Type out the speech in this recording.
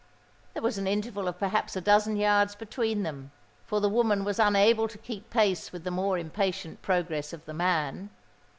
There was an interval of perhaps a dozen yards between them; for the woman was unable to keep pace with the more impatient progress of the man.